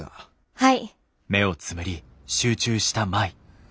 はい。